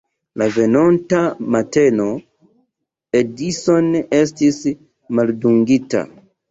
La venonta mateno Edison estis maldungita.